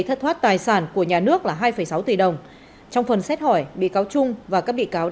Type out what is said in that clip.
thất thoát tài sản của nhà nước là hai sáu tỷ đồng trong phần xét hỏi bị cáo trung và các bị cáo